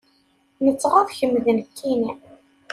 Nettɣaḍ kemm d nekkini.